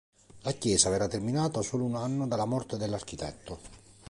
La chiesa verrà terminata solo un anno dalla morte dell'architetto.